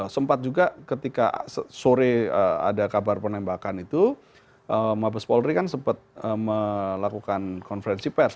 sempat juga ketika sore ada kabar penembakan itu mabes polri kan sempat melakukan konferensi pers